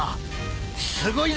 すごいぞ！